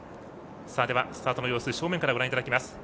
スタートの様子正面からご覧いただきます。